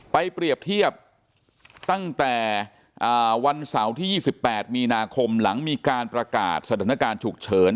เปรียบเทียบตั้งแต่วันเสาร์ที่๒๘มีนาคมหลังมีการประกาศสถานการณ์ฉุกเฉิน